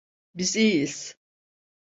Biz iyiyiz.